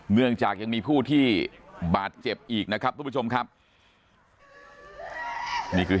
เนื่องจากยังมีผู้ที่บาดเจ็บอีกนะครับทุกผู้ชมครับนี่คือ